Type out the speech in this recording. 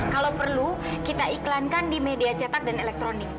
kalau perlu kita iklankan di media cetak dan elektronik